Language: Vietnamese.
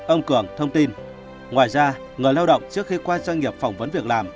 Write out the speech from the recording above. ông cường thông tin ngoài ra người lao động trước khi qua doanh nghiệp phỏng vấn việc làm